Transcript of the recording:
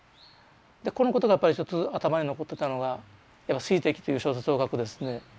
このことがやっぱり一つ頭に残ってたのが「水滴」という小説を書くですね